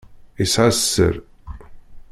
Yesεa sser.